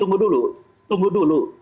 tunggu dulu tunggu dulu